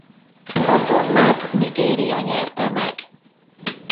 A tornát Nigéria nyerte meg.